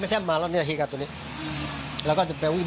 เพราะที่ยังมีกระโหลกศีรษะด้วย